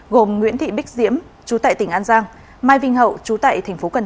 gồm nguyễn thị bích diễm chú tại tỉnh an giang mai vinh hậu chú tại tp cn